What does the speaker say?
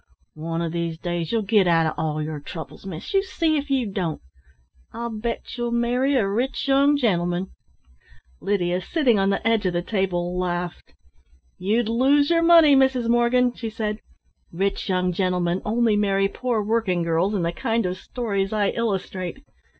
"One of these days you'll get out of all your troubles, miss, you see if you don't! I'll bet you'll marry a rich young gentleman." Lydia, sitting on the edge of the table, laughed. "You'd lose your money, Mrs. Morgan," she said, "rich young gentlemen only marry poor working girls in the kind of stories I illustrate.